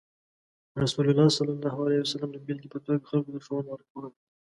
رسول الله صلى الله عليه وسلم د بیلګې په توګه خلکو ته ښوونه ورکوله.